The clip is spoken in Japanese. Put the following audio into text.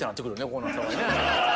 こうなったらね